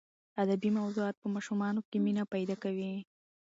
ادبي موضوعات په ماشومانو کې مینه پیدا کوي.